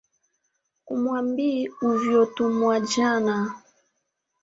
Kumwambii uvyotumwajana.